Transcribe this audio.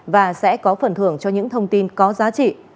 và sẽ có phần thưởng cho những thông tin có giá trị